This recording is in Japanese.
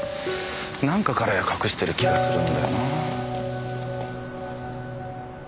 何か彼隠している気がするんだよなあ。